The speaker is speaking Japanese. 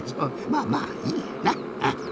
まあまあいいやなうん。